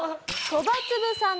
そばつぶさん？